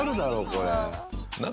これ。